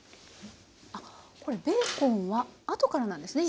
これベーコンはあとからなんですね。